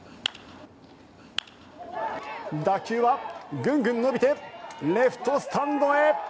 打球はぐんぐん伸びてレフトスタンドへ。